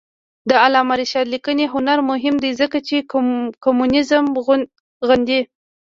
د علامه رشاد لیکنی هنر مهم دی ځکه چې کمونیزم غندي.